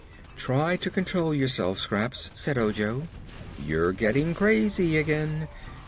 "Try to control yourself, Scraps," said Ojo; "you're getting crazy again.